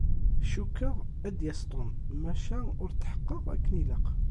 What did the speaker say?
Cukkeɣ ad d-yas Tom, maca ur tḥeqqeɣ akken ilaq.